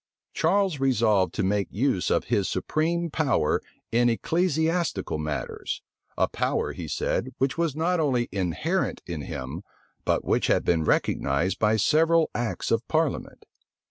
Charles resolved to make use of his supreme power in ecclesiastical matters; a power, he said, which was not only inherent in him, but which had been recognized by several acts of parliament.